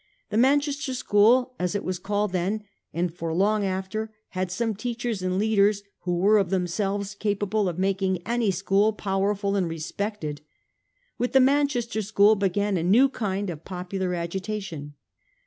The Manchester school, as it was called, then and for long after had some teachers and leaders who were of themselves capable of making any school powerful and respected. With the Man chester school began a new kind of popular agitation.